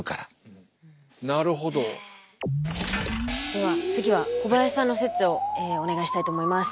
では次は小林さんの説をお願いしたいと思います。